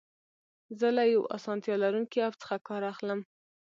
زه له یو اسانتیا لرونکي اپ څخه کار اخلم.